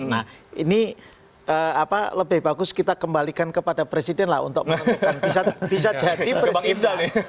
nah ini lebih bagus kita kembalikan kepada presiden lah untuk menentukan